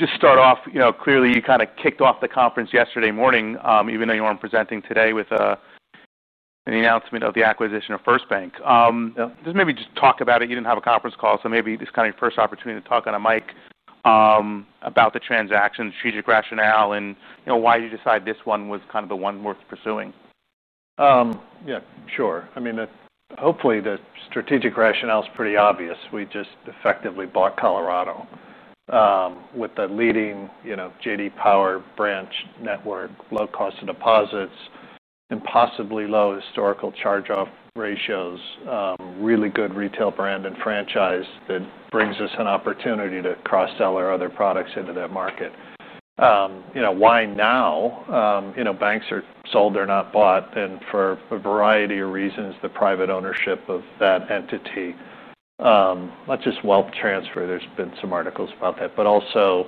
Just to start off, you know, clearly you kind of kicked off the conference yesterday morning, even though you weren't presenting today, with an announcement of the acquisition of FirstBank. Maybe just talk about it. You didn't have a conference call, so maybe this is kind of your first opportunity to talk on a mic about the transaction, the strategic rationale, and, you know, why you decided this one was kind of the one worth pursuing. Yeah, sure. I mean, hopefully the strategic rationale is pretty obvious. We just effectively bought Colorado, with the leading J.D. Power branch network, low cost of deposits, impossibly low historical charge-off ratios, really good retail brand and franchise that brings us an opportunity to cross-sell our other products into that market. You know, why now? You know, banks are sold, they're not bought, and for a variety of reasons, the private ownership of that entity, not just wealth transfer, there's been some articles about that, but also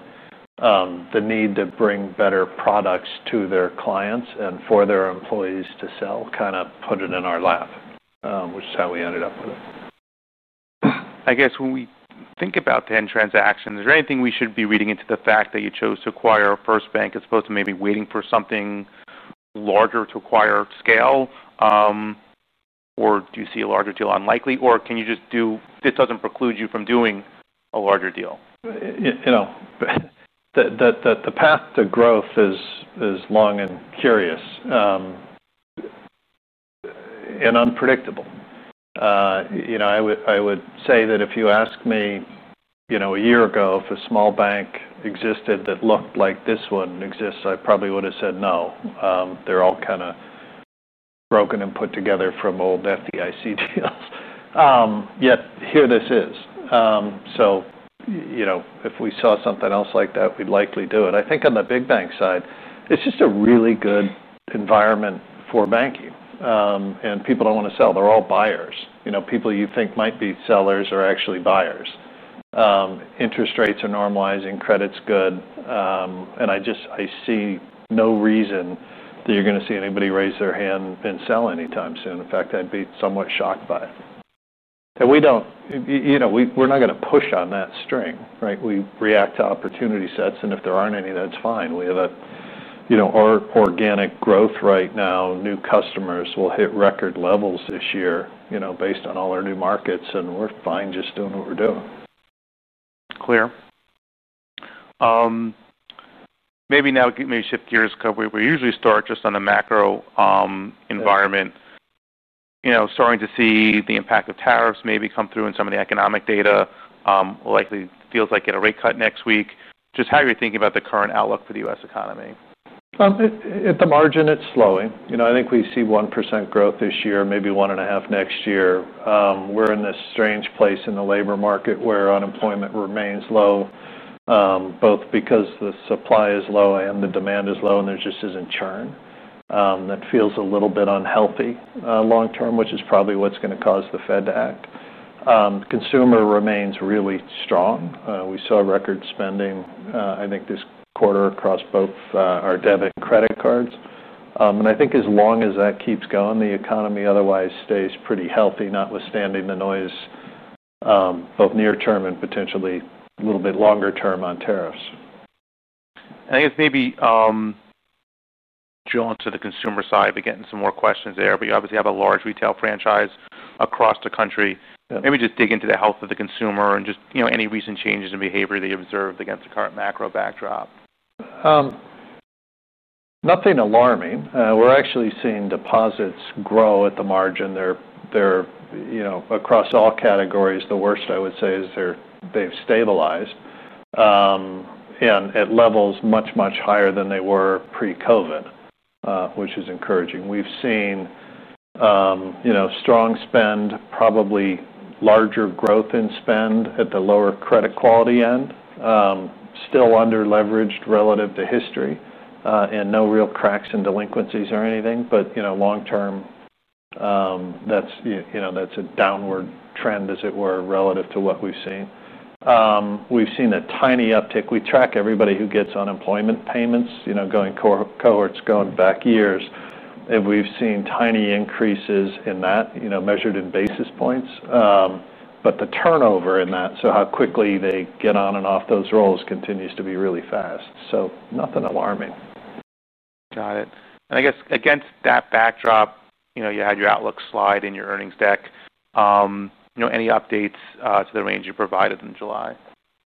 the need to bring better products to their clients and for their employees to sell, kind of put it in our lap, which is how we ended up with it. I guess when we think about the transaction, is there anything we should be reading into the fact that you chose to acquire FirstBank as opposed to maybe waiting for something larger to acquire scale? Do you see a larger deal unlikely, or can you just do, this doesn't preclude you from doing a larger deal? You know, the path to growth is long and curious and unpredictable. I would say that if you asked me a year ago if a small bank existed that looked like this one exists, I probably would have said no. They're all kind of broken and put together from old FDIC deals, yet here this is. If we saw something else like that, we'd likely do it. I think on the big bank side, it's just a really good environment for banking, and people don't want to sell. They're all buyers. People you think might be sellers are actually buyers. Interest rates are normalizing, credit's good. I just see no reason that you're going to see anybody raise their hand and sell anytime soon. In fact, I'd be somewhat shocked by it. We don't, you know, we're not going to push on that string, right? We react to opportunity sets, and if there aren't any, that's fine. We have that organic growth right now. New customers will hit record levels this year based on all our new markets, and we're fine just doing what we're doing. Clear. Maybe now, maybe shift gears. We usually start just on the macro-economic environment. You know, starting to see the impact of tariffs maybe come through in some of the economic data. Likely feels like in a rate cut next week. Just how you're thinking about the current outlook for the U.S. economy. At the margin, it's slowing. You know, I think we see 1% growth this year, maybe 1.5% next year. We're in this strange place in the labor market where unemployment remains low, both because the supply is low and the demand is low, and there just isn't churn. That feels a little bit unhealthy, long term, which is probably what's going to cause the Fed to act. Consumer remains really strong. We saw record spending, I think this quarter across both our debit and credit cards. I think as long as that keeps going, the economy otherwise stays pretty healthy, notwithstanding the noise, both near-term and potentially a little bit longer term on tariffs. I think maybe drilling to the consumer side, we're getting some more questions there, but you obviously have a large retail franchise across the country. Maybe just dig into the health of the consumer and any recent changes in behavior that you observed against the current macro backdrop. Nothing alarming. We're actually seeing deposits grow at the margin. They're, you know, across all categories. The worst I would say is they've stabilized at levels much, much higher than they were pre-COVID, which is encouraging. We've seen strong spend, probably larger growth in spend at the lower credit quality end, still under-leveraged relative to history, and no real cracks in delinquencies or anything. Long term, that's a downward trend as it were relative to what we've seen. We've seen a tiny uptick. We track everybody who gets unemployment payments, cohorts going back years, and we've seen tiny increases in that, measured in basis points. The turnover in that, how quickly they get on and off those roles, continues to be really fast. Nothing alarming. Got it. I guess against that backdrop, you had your outlook slide in your earnings deck. Any updates to the range you provided in July?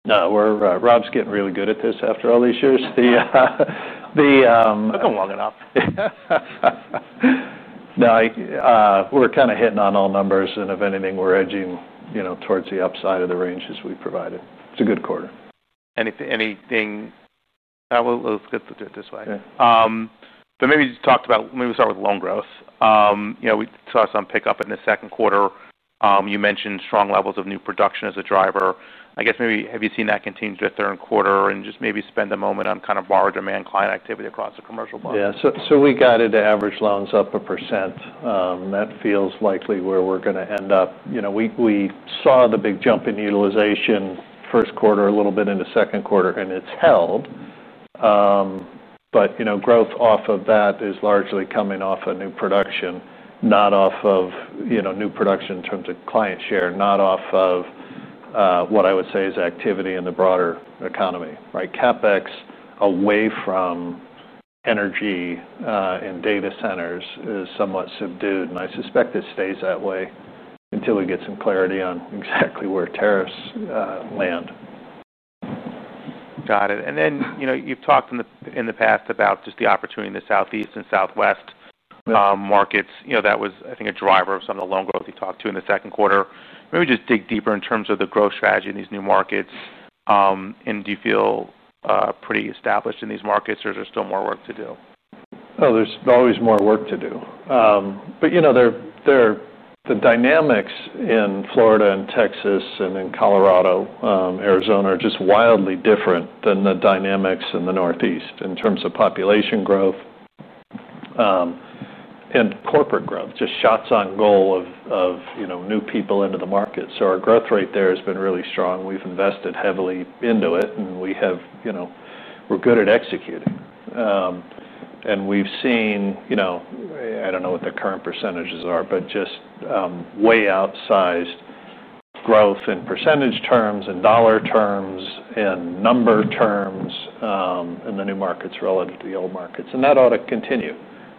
No, Rob's getting really good at this after all these years. It's been long enough. No, we're kind of hitting on all numbers, and if anything, we're edging towards the upside of the ranges we provided. It's a good quarter. Anything? No, we'll skip this way. Maybe you just talked about, maybe we'll start with loan growth. You know, we saw some pickup in the second quarter. You mentioned strong levels of new production as a driver. I guess maybe have you seen that continue to the third quarter and just maybe spend a moment on kind of bar demand client activity across the commercial loan? Yeah, so we got into average loans up 1%. That feels likely where we're going to end up. You know, we saw the big jump in utilization first quarter, a little bit into second quarter, and it's held. Growth off of that is largely coming off of new production, not off of new production in terms of client share, not off of what I would say is activity in the broader economy, right? CapEx away from energy and data centers is somewhat subdued, and I suspect it stays that way until we get some clarity on exactly where tariffs land. Got it. You know, you've talked in the past about just the opportunity in the Southeast and Southwest markets. I think that was a driver of some of the loan growth you talked to in the second quarter. Maybe just dig deeper in terms of the growth strategy in these new markets. Do you feel pretty established in these markets or is there still more work to do? Oh, there's always more work to do, but the dynamics in Florida, Texas, Colorado, and Arizona are just wildly different than the dynamics in the Northeast in terms of population growth and corporate growth, just shots on goal of new people into the market. Our growth rate there has been really strong. We've invested heavily into it, and we're good at executing. We've seen, I don't know what the current percentages are, but just way outsized growth in percentage terms, dollar terms, and number terms in the new markets relative to the old markets. That ought to continue.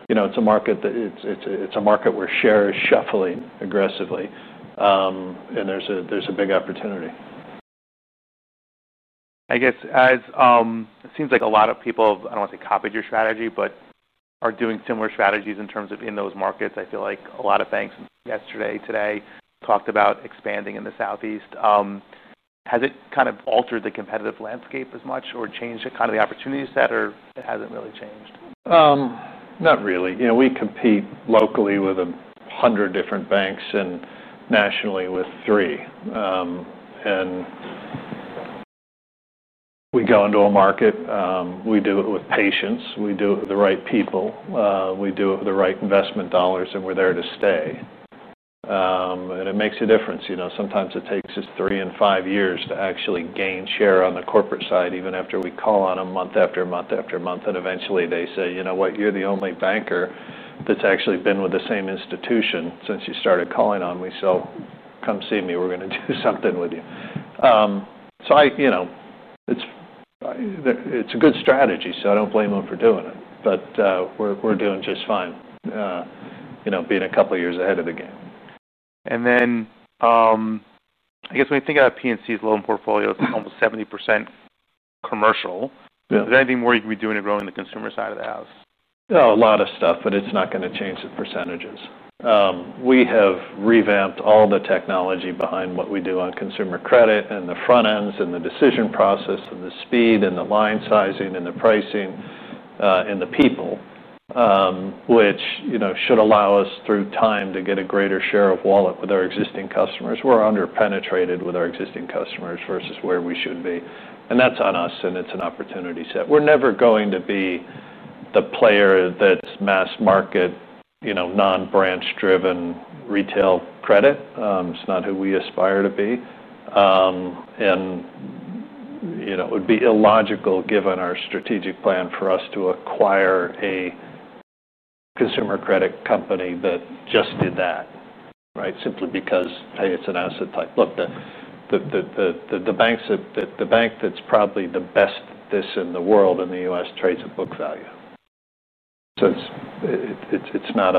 It's a market where share is shuffling aggressively, and there's a big opportunity. It seems like a lot of people, I don't want to say copied your strategy, but are doing similar strategies in terms of in those markets. I feel like a lot of banks yesterday and today talked about expanding in the Southeast. Has it kind of altered the competitive landscape as much or changed it, kind of the opportunity set, or it hasn't really changed? Not really. You know, we compete locally with a hundred different banks and nationally with three. We go into a market, we do it with patience, we do it with the right people, we do it with the right investment dollars, and we're there to stay. It makes a difference. Sometimes it takes us three and five years to actually gain share on the corporate side, even after we call on them month after month after month, and eventually they say, you know what, you're the only banker that's actually been with the same institution since you started calling on me, so come see me, we're going to do something with you. It's a good strategy, so I don't blame them for doing it, but we're doing just fine, you know, being a couple of years ahead of the game. When you think about PNC's loan portfolio, it's almost 70% commercial. Is there anything more you can be doing to grow in the consumer side of the house? Oh, a lot of stuff, but it's not going to change the percentages. We have revamped all the technology behind what we do on consumer credit and the front ends and the decision process and the speed and the line sizing and the pricing, and the people, which, you know, should allow us through time to get a greater share of wallet with our existing customers. We're underpenetrated with our existing customers versus where we should be. That's on us, and it's an opportunity set. We're never going to be the player that's mass market, you know, non-branch driven retail credit. It's not who we aspire to be, and, you know, it would be illogical given our strategic plan for us to acquire a consumer credit company that just did that, right? Simply because, hey, it's an asset type. Look, the banks that, the bank that's probably the best at this in the U.S. trades at book value. So it's not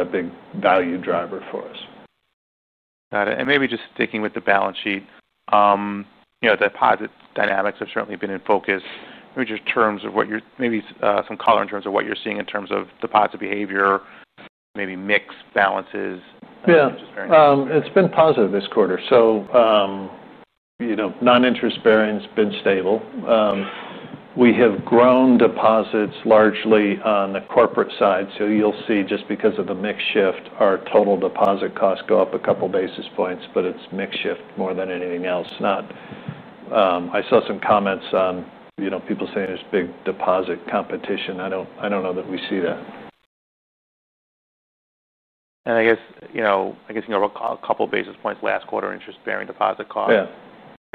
a big value driver for us. Got it. Maybe just sticking with the balance sheet, you know, deposit dynamics have certainly been in focus. Maybe just in terms of what you're seeing in terms of deposit behavior, maybe mixed balances. Yeah, it's been positive this quarter. Non-interest bearing's been stable. We have grown deposits largely on the corporate side. You'll see, just because of the mix shift, our total deposit costs go up a couple basis points, but it's mix shift more than anything else. I saw some comments on people saying there's big deposit competition. I don't know that we see that. I guess a couple basis points last quarter, interest bearing deposit cost. I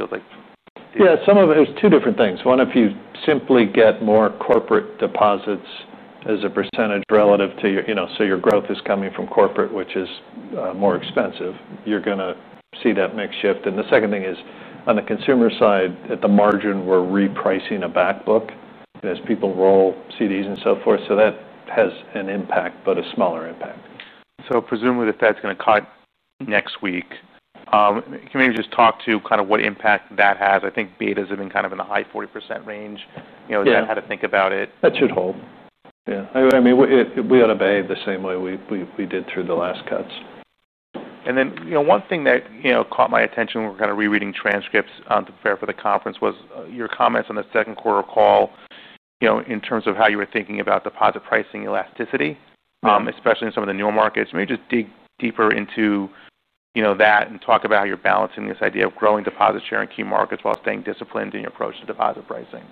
feel like some of it, it was two different things. One, if you simply get more corporate deposits as a percentage relative to your, you know, so your growth is coming from corporate, which is more expensive, you're going to see that mixed shift. The second thing is, on the consumer side, at the margin, we're repricing a backbook. You know, as people roll CDs and so forth, so that has an impact, but a smaller impact. Presumably that's going to cut next week. Can we just talk to kind of what impact that has? I think betas have been kind of in the high 40% range. You know, is that how to think about it? That should hold. Yeah, I mean, we ought to behave the same way we did through the last cuts. One thing that caught my attention when we were kind of rereading transcripts on the fair for the conference was your comments on the second quarter call in terms of how you were thinking about deposit pricing elasticity, especially in some of the newer markets. Maybe just dig deeper into that and talk about how you're balancing this idea of growing deposit share in key markets while staying disciplined in your approach to deposit pricing.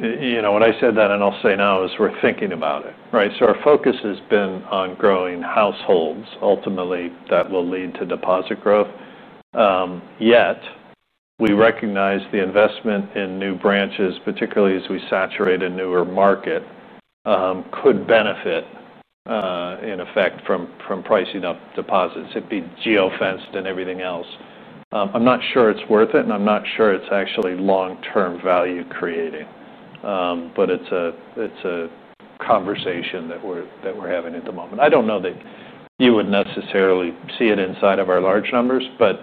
When I said that, and I'll say now, we're thinking about it, right? Our focus has been on growing households. Ultimately, that will lead to deposit growth. Yet we recognize the investment in new branches, particularly as we saturate a newer market, could benefit, in effect, from pricing up deposits. It would be geofenced and everything else. I'm not sure it's worth it, and I'm not sure it's actually long-term value creating. It's a conversation that we're having at the moment. I don't know that you would necessarily see it inside of our large numbers, but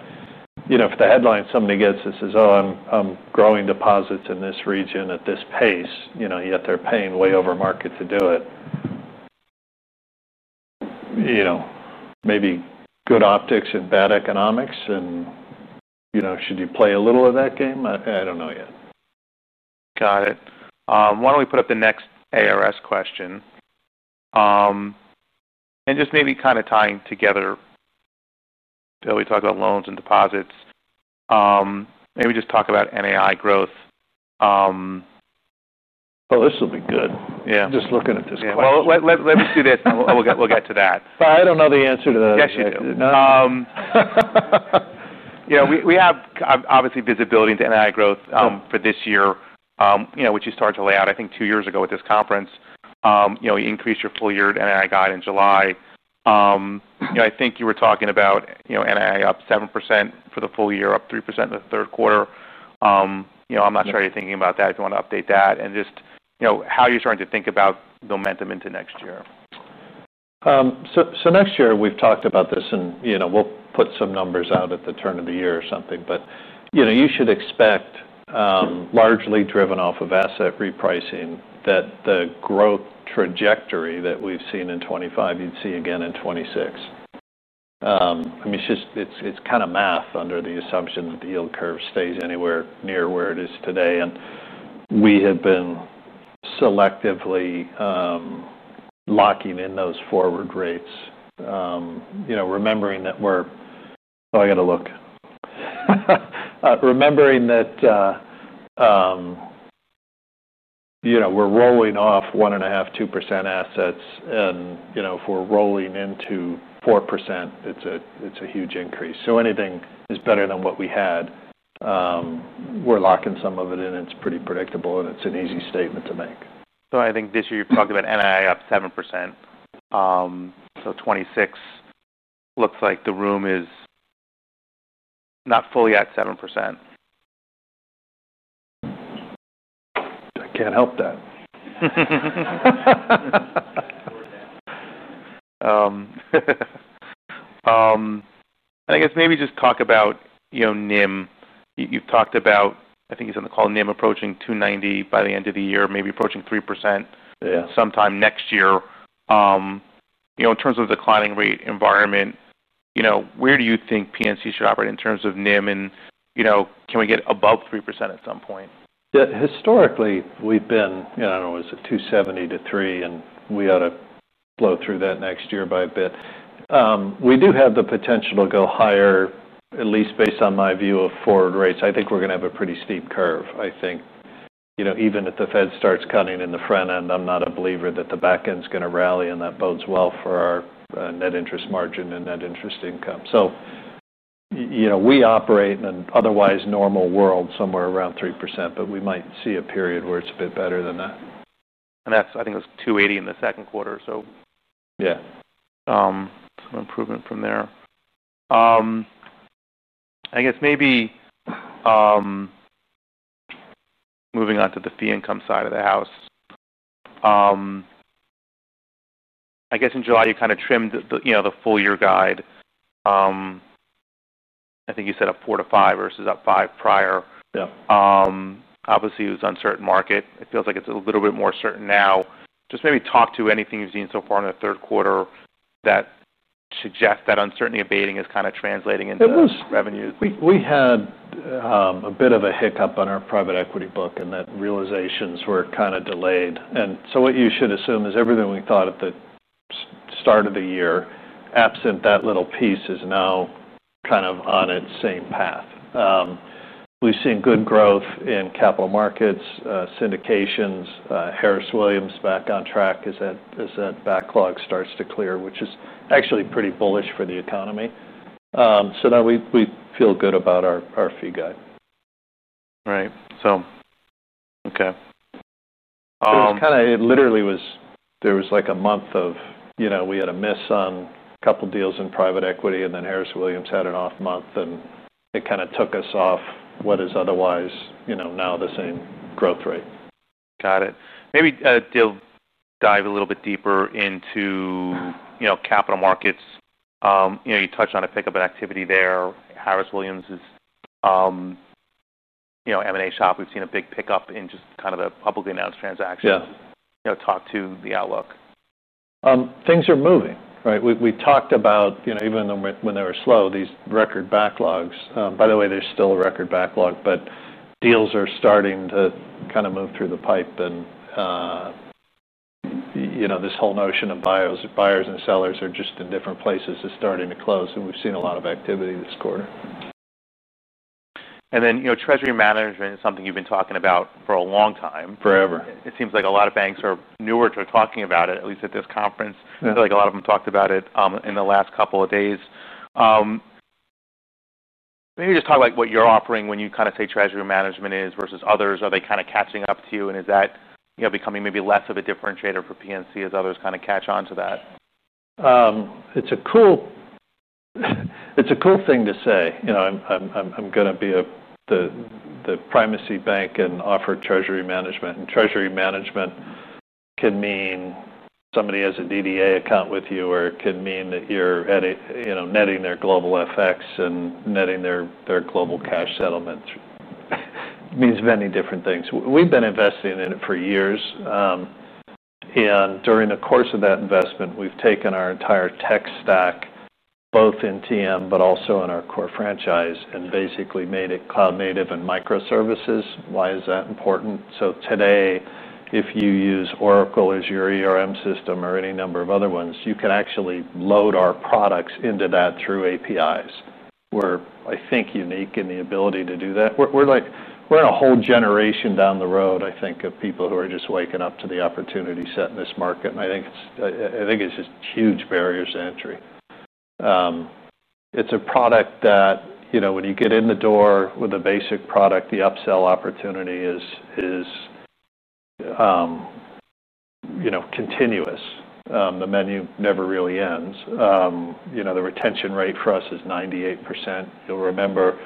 if the headline somebody gets says, oh, I'm growing deposits in this region at this pace, yet they're paying way over market to do it, maybe good optics and bad economics. Should you play a little of that game? I don't know yet. Got it. Why don't we put up the next ARS question? Maybe just kind of tying together, you know, we talk about loans and deposits. Maybe just talk about NAI growth. Oh, this will be good. Yeah, I'm just looking at this question. Let me see that. We'll get to that. I don't know the answer to that. Yeah, we have obviously visibility into NAI growth for this year, you know, which you started to lay out, I think, two years ago at this conference. You know, we increased your full year NAI guide in July. You know, I think you were talking about, you know, NAI up 7% for the full year, up 3% in the third quarter. You know, I'm not sure how you're thinking about that, if you want to update that, and just, you know, how you're starting to think about momentum into next year. Next year we've talked about this and, you know, we'll put some numbers out at the turn of the year or something, but you should expect, largely driven off of asset repricing, that the growth trajectory that we've seen in 2025, you'd see again in 2026. I mean, it's just kind of math under the assumption that the yield curve stays anywhere near where it is today. We have been selectively locking in those forward rates. Remembering that we're rolling off 1.5%, 2% assets, and if we're rolling into 4%, it's a huge increase. So anything is better than what we had. We're locking some of it in, it's pretty predictable, and it's an easy statement to make. I think this year you're talking about NAI up 7%. 2026 looks like the room is not fully at 7%. I can't help that. I guess maybe just talk about NIM. You've talked about, I think it's on the call, NIM approaching 2.90% by the end of the year, maybe approaching 3% sometime next year. In terms of the declining rate environment, where do you think PNC should operate in terms of NIM, and can we get above 3% at some point? Yeah, historically we've been, you know, I don't know, was it 2.70%-3%, and we ought to blow through that next year by a bit. We do have the potential to go higher, at least based on my view of forward rates. I think we're going to have a pretty steep curve. I think, you know, even if the Fed starts cutting in the front end, I'm not a believer that the back end's going to rally, and that bodes well for our net interest margin and net interest income. You know, we operate in an otherwise normal world somewhere around 3%, but we might see a period where it's a bit better than that. I think it was $280 million in the second quarter. Yeah. Some improvement from there. I guess maybe, moving on to the fee income side of the house. In July you kind of trimmed the, you know, the full year guide. I think you said up 4%-5% versus up 5% prior. Yeah. Obviously it was an uncertain market. It feels like it's a little bit more certain now. Just maybe talk to anything you've seen so far in the third quarter that suggests that uncertainty abating is kind of translating into revenues. We had a bit of a hiccup on our private equity book and that realizations were kind of delayed. What you should assume is everything we thought at the start of the year, absent that little piece, is now kind of on its same path. We've seen good growth in capital markets, syndications, Harris Williams back on track as that backlog starts to clear, which is actually pretty bullish for the economy. We feel good about our fee guide. Right, okay. It literally was, there was like a month of, you know, we had a miss on a couple deals in private equity and then Harris Williams had an off month, and it kind of took us off what is otherwise now the same growth rate. Got it. Maybe deal a little bit deeper into, you know, capital markets. You know, you touched on a pickup in activity there. Harris Williams is, you know, M&A shop. We've seen a big pickup in just kind of a publicly announced transaction. Yeah. You know, talk to the outlook. Things are moving, right? We talked about, you know, even when they were slow, these record backlogs. By the way, there's still a record backlog, but deals are starting to kind of move through the pipe, and, you know, this whole notion of buyers and sellers are just in different places is starting to close, and we've seen a lot of activity this quarter. Treasury management is something you've been talking about for a long time. Forever. It seems like a lot of banks are newer to talking about it, at least at this conference. I feel like a lot of them talked about it in the last couple of days. Maybe just talk about what you're offering when you kind of say treasury management is versus others. Are they kind of catching up to you? Is that, you know, becoming maybe less of a differentiator for PNC as others kind of catch on to that? It's a cool thing to say. You know, I'm going to be the primacy bank and offer treasury management. Treasury management can mean somebody has a DDA account with you, or it can mean that you're netting their global FX and netting their global cash settlements. It means many different things. We've been investing in it for years. During the course of that investment, we've taken our entire tech stack, both in treasury management, but also in our core franchise, and basically made it cloud native and microservices. Why is that important? Today, if you use Oracle as your system or any number of other ones, you can actually load our products into that through APIs. We're, I think, unique in the ability to do that. We're in a whole generation down the road, I think, of people who are just waking up to the opportunity set in this market. I think it's just huge barriers to entry. It's a product that, when you get in the door with a basic product, the upsell opportunity is continuous. The menu never really ends. The retention rate for us is 98%. You'll remember,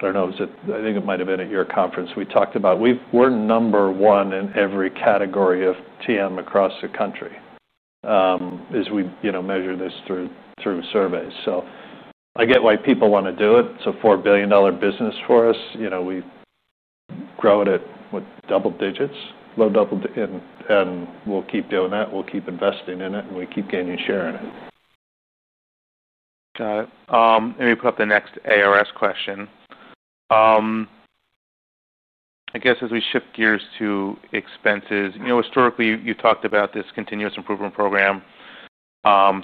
I don't know, I think it might have been at your conference. We talked about, we're number one in every category of treasury management across the country as we measure this through surveys. I get why people want to do it. It's a $4 billion business for us. We grow it at double digits, low double digits, and we'll keep doing that. We'll keep investing in it, and we keep gaining share in it. Got it. Maybe put up the next ARS question. I guess as we shift gears to expenses, you know, historically you talked about this continuous improvement program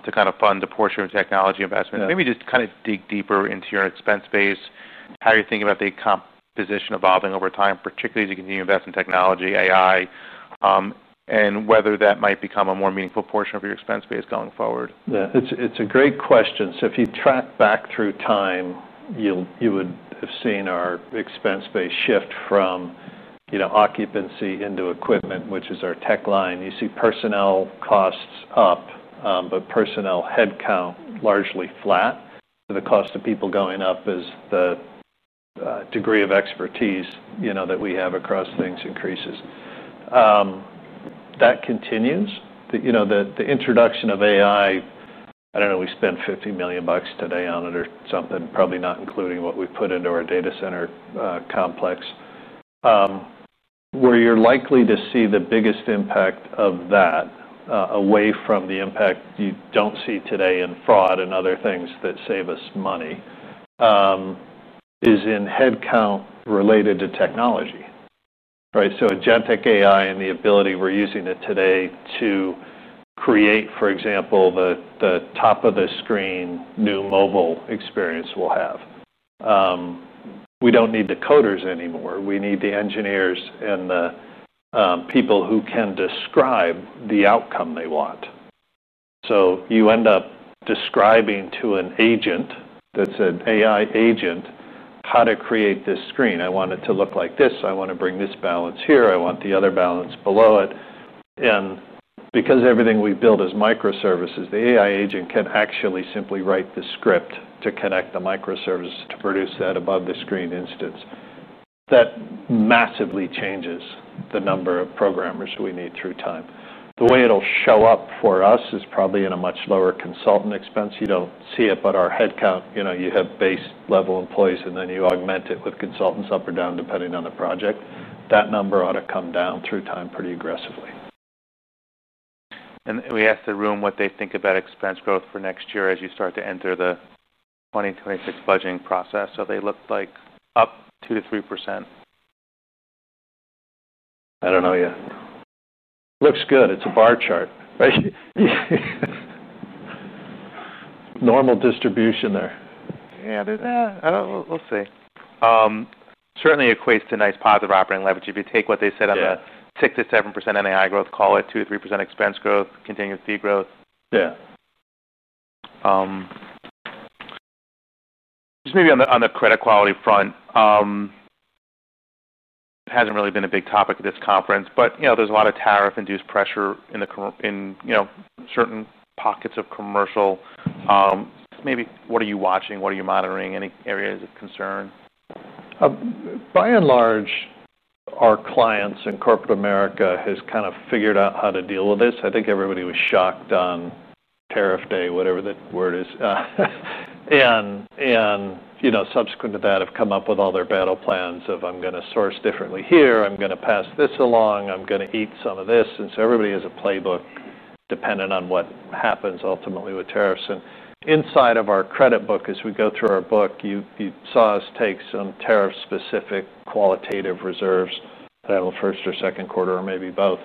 to kind of fund the portion of technology investment. Maybe just kind of dig deeper into your expense base, how you're thinking about the comp position evolving over time, particularly as you continue to invest in technology, AI, and whether that might become a more meaningful portion of your expense base going forward. Yeah, it's a great question. If you track back through time, you would have seen our expense base shift from occupancy into equipment, which is our tech line. You see personnel costs up, but personnel headcount largely flat. The cost of people going up is the degree of expertise that we have across things increases. That continues. The introduction of AI, I don't know, we spent $50 million today on it or something, probably not including what we put into our data center complex. Where you're likely to see the biggest impact of that, away from the impact you don't see today in fraud and other things that save us money, is in headcount related to technology. Right? Agentic AI and the ability we're using it today to create, for example, the top of the screen new mobile experience we'll have. We don't need the coders anymore. We need the engineers and the people who can describe the outcome they want. You end up describing to an agent that's an AI agent how to create this screen. I want it to look like this. I want to bring this balance here. I want the other balance below it. Because everything we build is microservices, the AI agent can actually simply write the script to connect the microservice to produce that above the screen instance. That massively changes the number of programmers we need through time. The way it'll show up for us is probably in a much lower consultant expense. You don't see it, but our headcount, you have base level employees and then you augment it with consultants up or down depending on the project. That number ought to come down through time pretty aggressively. We asked the room what they think about expense growth for next year as you start to enter the 2026 budgeting process. They looked like up 2%-3%. I don't know yet. Looks good. It's a bar chart, right? Normal distribution there. Yeah, we'll see. Certainly equates to nice positive operating leverage. If you take what they said on the 6%-7% NAI growth, call it 2%-3% expense growth, continuous fee growth. Yeah. Maybe on the credit quality front, it hasn't really been a big topic at this conference, but you know, there's a lot of tariff-induced pressure in certain pockets of commercial. Maybe what are you watching? What are you monitoring? Any areas of concern? By and large, our clients and corporate America have kind of figured out how to deal with this. I think everybody was shocked on Tariff Day, whatever that word is. Subsequent to that, they have come up with all their battle plans of, I'm going to source differently here, I'm going to pass this along, I'm going to eat some of this. Everybody has a playbook dependent on what happens ultimately with tariffs. Inside of our credit book, as we go through our book, you saw us take some tariff-specific qualitative reserves, I don't know, first or second quarter or maybe both.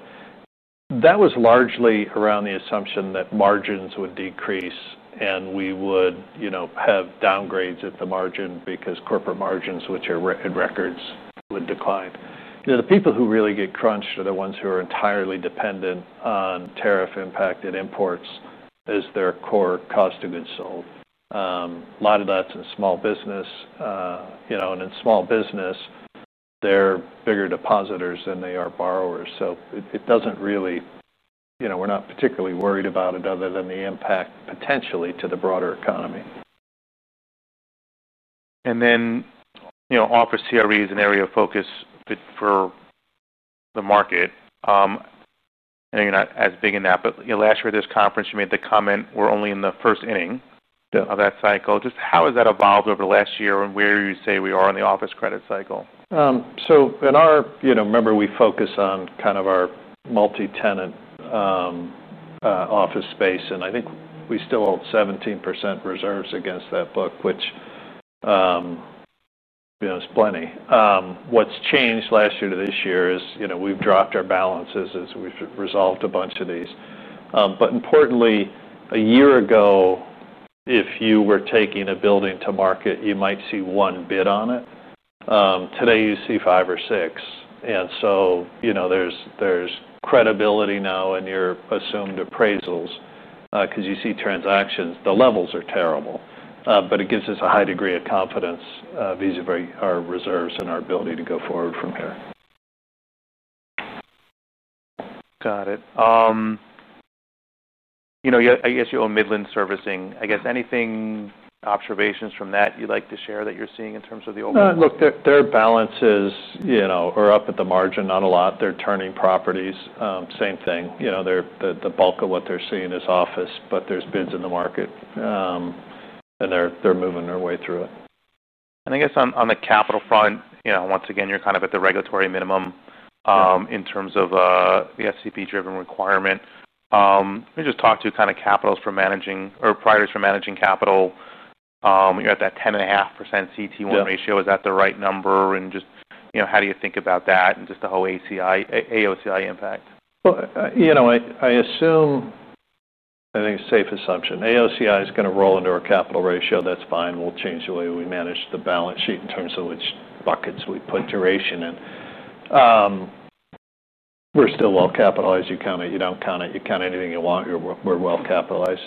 That was largely around the assumption that margins would decrease and we would have downgrades at the margin because corporate margins, which are records, would decline. The people who really get crunched are the ones who are entirely dependent on tariff-impacted imports as their core cost of goods sold. A lot of that's in small business. In small business, they're bigger depositors than they are borrowers, so it doesn't really, we're not particularly worried about it other than the impact potentially to the broader economy. Office CRE is an area of focus for the market. I know you're not as big in that, but last year at this conference, you made the comment we're only in the first inning of that cycle. Just how has that evolved over the last year and where would you say we are in the office credit cycle? In our, you know, remember we focus on kind of our multi-tenant office space, and I think we still hold 17% reserves against that book, which, you know, is plenty. What's changed last year to this year is we've dropped our balances as we've resolved a bunch of these. Importantly, a year ago, if you were taking a building to market, you might see one bid on it. Today you see five or six. There's credibility now in your assumed appraisals because you see transactions. The levels are terrible, but it gives us a high degree of confidence, vis-a-vis our reserves and our ability to go forward from here. Got it. I guess you own Midland Servicing. I guess anything, observations from that you'd like to share that you're seeing in terms of the office? Look, their balances are up at the margin, not a lot. They're turning properties. Same thing. The bulk of what they're seeing is office, but there's bids in the market, and they're moving their way through it. On the capital front, once again, you're kind of at the regulatory minimum in terms of the SCP-driven requirement. We just talked to capitals for managing or providers for managing capital. You're at that 10.5% CET1 ratio. Is that the right number? How do you think about that and the whole AOCI impact? I assume, I think it's a safe assumption, AOCI is going to roll into our capital ratio. That's fine. We'll change the way we manage the balance sheet in terms of which buckets we put duration in. We're still well capitalized. You count it, you don't count it, you count anything you want. We're well capitalized.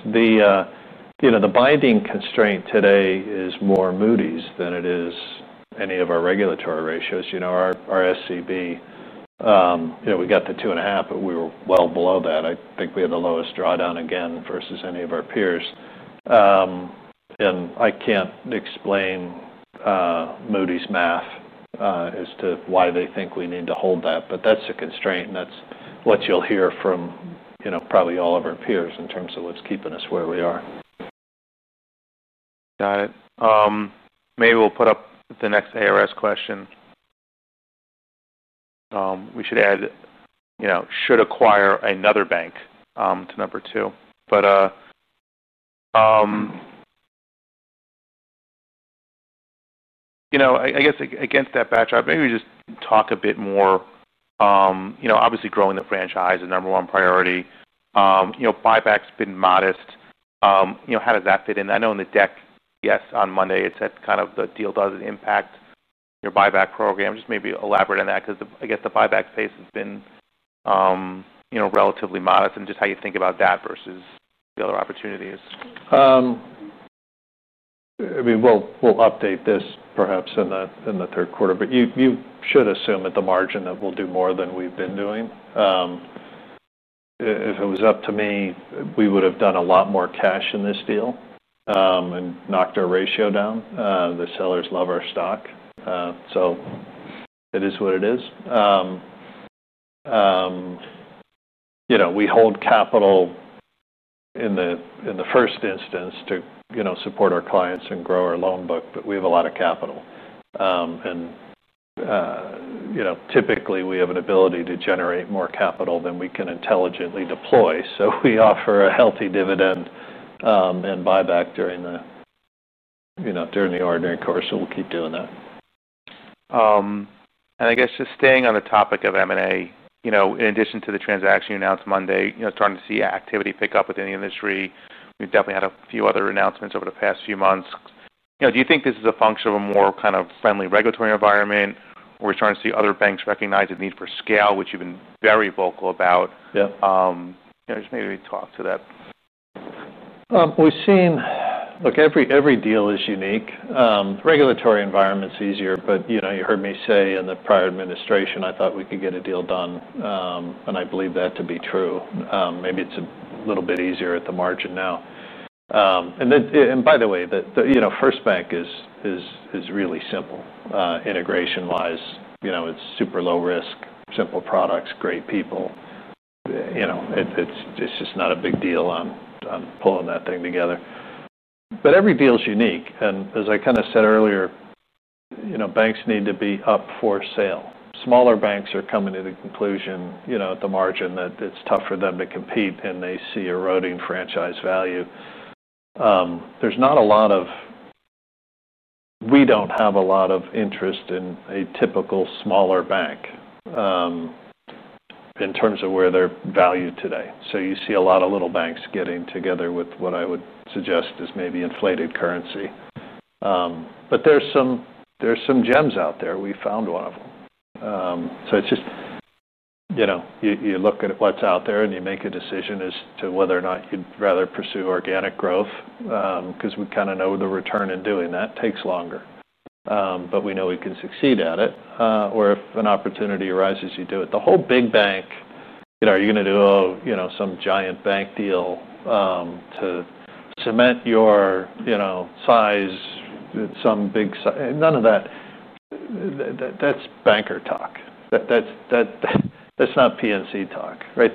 The binding constraint today is more Moody's than it is any of our regulatory ratios. Our SCB, we got the two and a half, but we were well below that. I think we had the lowest drawdown again versus any of our peers. I can't explain Moody's math as to why they think we need to hold that, but that's a constraint and that's what you'll hear from probably all of our peers in terms of what's keeping us where we are. Got it. Maybe we'll put up the next ARS question. We should add, you know, should acquire another bank, to number two, but I guess against that backdrop, maybe we just talk a bit more. Obviously, growing the franchise is a number one priority. You know, buyback's been modest. How does that fit in? I know in the deck, yes, on Monday, it said kind of the deal doesn't impact your buyback program. Just maybe elaborate on that because I guess the buyback space has been relatively modest and just how you think about that versus the other opportunities. We'll update this perhaps in the third quarter, but you should assume at the margin that we'll do more than we've been doing. If it was up to me, we would have done a lot more cash in this deal and knocked our ratio down. The sellers love our stock, so it is what it is. You know, we hold capital in the first instance to support our clients and grow our loan book, but we have a lot of capital. Typically, we have an ability to generate more capital than we can intelligently deploy. We offer a healthy dividend and buyback during the ordinary course, so we'll keep doing that. I guess just staying on the topic of M&A, in addition to the transaction you announced Monday, starting to see activity pick up within the industry. We've definitely had a few other announcements over the past few months. Do you think this is a function of a more kind of friendly regulatory environment? We're starting to see other banks recognize the need for scale, which you've been very vocal about. Yeah. You know, just maybe talk to that. We've seen, look, every deal is unique. The regulatory environment's easier, but you know, you heard me say in the prior administration, I thought we could get a deal done, and I believe that to be true. Maybe it's a little bit easier at the margin now. By the way, FirstBank is really simple, integration-wise. You know, it's super low risk, simple products, great people. You know, it's just not a big deal on pulling that thing together. Every deal's unique. As I kind of said earlier, banks need to be up for sale. Smaller banks are coming to the conclusion at the margin that it's tough for them to compete and they see eroding franchise value. There's not a lot of, we don't have a lot of interest in a typical smaller bank, in terms of where they're valued today. You see a lot of little banks getting together with what I would suggest is maybe inflated currency, but there are some gems out there. We found one of them. You look at what's out there and you make a decision as to whether or not you'd rather pursue organic growth, because we kind of know the return in doing that takes longer, but we know we can succeed at it, or if an opportunity arises, you do it. The whole big bank, are you going to do, oh, some giant bank deal to cement your size at some big size, none of that. That's banker talk. That's not PNC talk, right?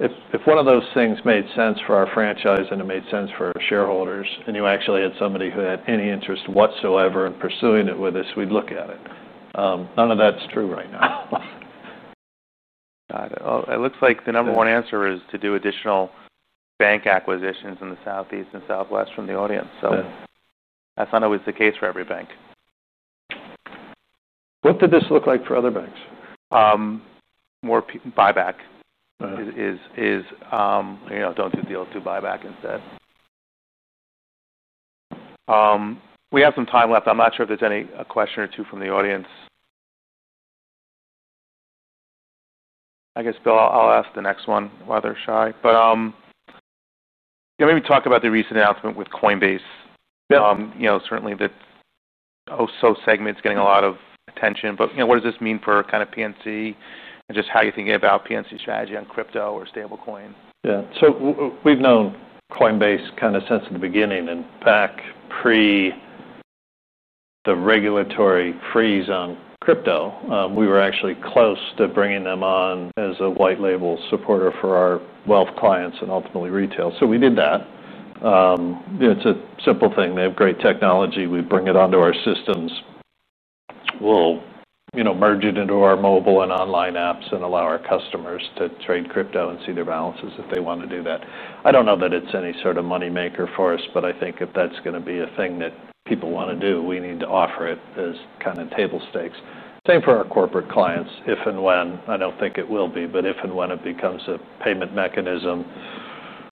If one of those things made sense for our franchise and it made sense for our shareholders and you actually had somebody who had any interest whatsoever in pursuing it with us, we'd look at it. None of that's true right now. Got it. It looks like the number one answer is to do additional bank acquisitions in the Southeast and Southwest from the audience. That's not always the case for every bank. What did this look like for other banks? More buyback is, you know, don't do deals, do buyback instead. We have some time left. I'm not sure if there's any question or two from the audience. I guess Bill, I'll ask the next one while they're shy. Maybe talk about the recent announcement with Coinbase. Yeah. Certainly, that segment's getting a lot of attention, but what does this mean for kind of PNC and just how you're thinking about PNC strategy on crypto or stablecoin? Yeah, so we've known Coinbase kind of since the beginning and back pre the regulatory freeze on crypto. We were actually close to bringing them on as a white label supporter for our wealth clients and ultimately retail. So we did that. You know, it's a simple thing. They have great technology. We bring it onto our systems. We'll, you know, merge it into our mobile and online apps and allow our customers to trade crypto and see their balances if they want to do that. I don't know that it's any sort of moneymaker for us, but I think if that's going to be a thing that people want to do, we need to offer it as kind of table stakes. Same for our corporate clients. If and when, I don't think it will be, but if and when it becomes a payment mechanism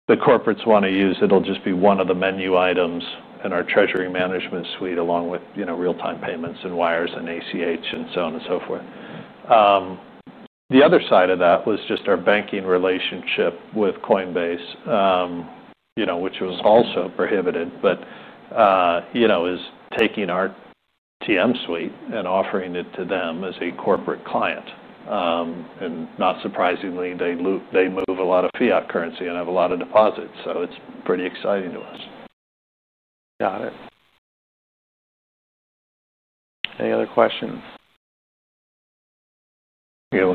the corporates want to use, it'll just be one of the menu items in our treasury management suite along with, you know, real-time payments and wires and ACH and so on and so forth. The other side of that was just our banking relationship with Coinbase, which was also prohibited, but is taking our treasury management suite and offering it to them as a corporate client. Not surprisingly, they move a lot of fiat currency and have a lot of deposits. So it's pretty exciting to us. Got it. Any other questions? Yes,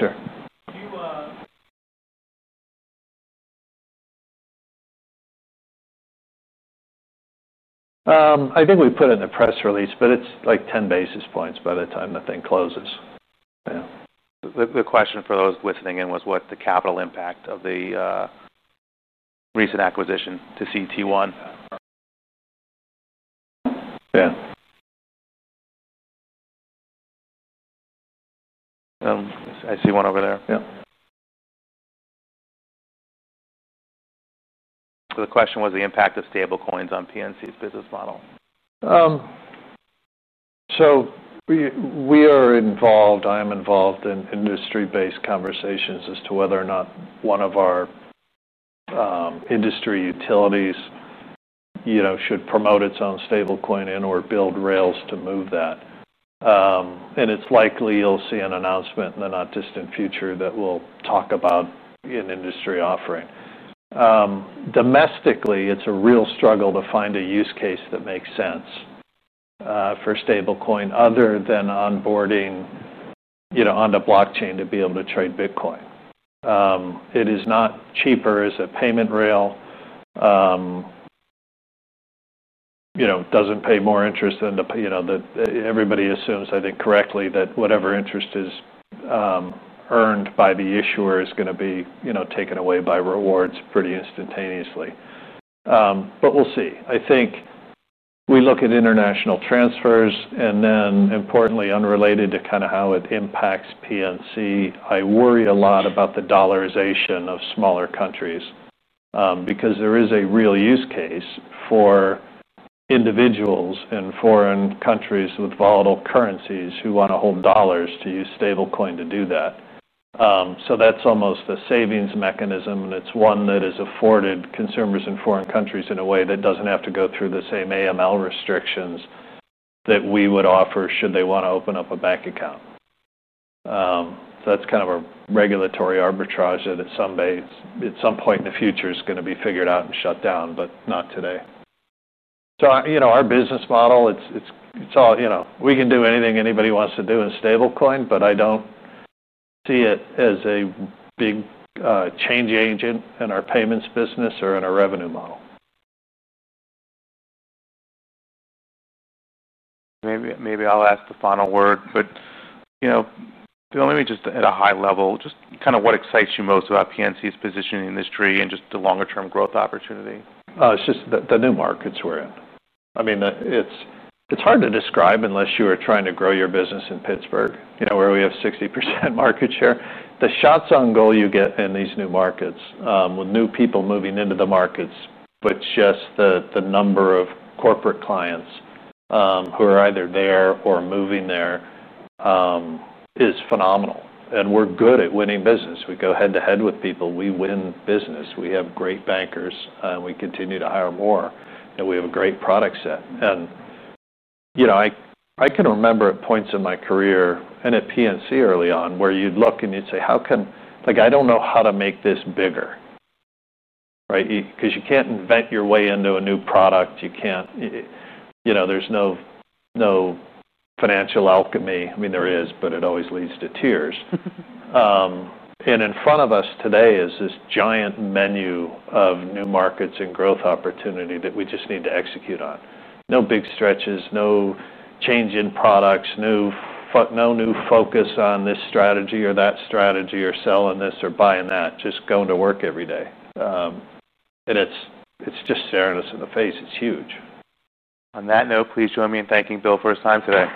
sir. I think we put it in a press release, but it's like 10 basis points by the time the thing closes. The question for those listening in was what the capital impact of the recent acquisition to CT1. Yeah. I see one over there. Yeah. The question was the impact of stablecoins on PNC's business model. We are involved, I'm involved in industry-based conversations as to whether or not one of our industry utilities should promote its own stablecoin and/or build rails to move that. It's likely you'll see an announcement in the not distant future that will talk about an industry offering. Domestically, it's a real struggle to find a use case that makes sense for stablecoin other than onboarding onto blockchain to be able to trade Bitcoin. It is not cheaper as a payment rail. It doesn't pay more interest than the, you know, that everybody assumes, I think correctly, that whatever interest is earned by the issuer is going to be taken away by rewards pretty instantaneously. We'll see. I think we look at international transfers and then importantly, unrelated to how it impacts The PNC, I worry a lot about the dollarization of smaller countries because there is a real use case for individuals in foreign countries with volatile currencies who want to hold dollars to use stablecoin to do that. That's almost a savings mechanism and it's one that is afforded consumers in foreign countries in a way that doesn't have to go through the same AML restrictions that we would offer should they want to open up a bank account. That's kind of a regulatory arbitrage that at some point in the future is going to be figured out and shut down, but not today. Our business model, it's all, we can do anything anybody wants to do in stablecoin, but I don't see it as a big change agent in our payments business or in our revenue model. Maybe I'll ask the final word, but you know, Bill, let me just at a high level, just kind of what excites you most about PNC's position in the industry and just the longer term growth opportunity. Oh, it's just the new markets we're in. I mean, it's hard to describe unless you were trying to grow your business in Pittsburgh, you know, where we have 60% market share. The shots on goal you get in these new markets, with new people moving into the markets, but just the number of corporate clients who are either there or moving there, is phenomenal. We're good at winning business. We go head to head with people. We win business. We have great bankers, and we continue to hire more. We have a great product set. I can remember at points in my career and at the PNC early on where you'd look and you'd say, how can, like, I don't know how to make this bigger. Right? Because you can't invent your way into a new product. You can't, you know, there's no financial alchemy. I mean, there is, but it always leads to tears. In front of us today is this giant menu of new markets and growth opportunity that we just need to execute on. No big stretches, no change in products, no new focus on this strategy or that strategy or selling this or buying that, just going to work every day. It's just staring us in the face. It's huge. On that note, please join me in thanking Bill for his time today.